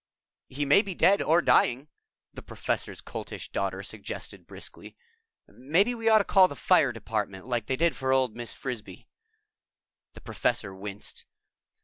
_" "He may be dead or dying," the Professor's Coltish Daughter suggested briskly. "Maybe we ought to call the Fire Department, like they did for old Mrs. Frisbee." The Professor winced.